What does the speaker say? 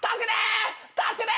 助けて！